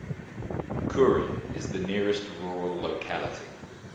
Kurin is the nearest rural locality.